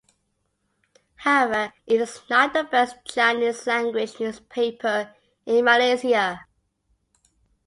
However, it is not the first Chinese language newspaper in Malaysia.